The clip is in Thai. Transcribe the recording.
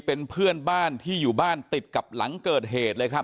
เป็นเพื่อนบ้านที่อยู่บ้านติดกับหลังเกิดเหตุเลยครับ